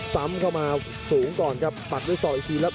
ซ้ำเข้ามาสูงก่อนครับปัดด้วยศอกอีกทีแล้ว